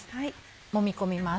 もみ込みます。